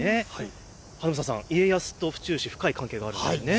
英さん、家康と府中市、深い関係があるんですよね。